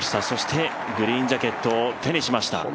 そして、グリーンジャケットを手にしました。